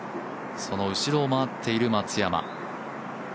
その後ろを回っている松山。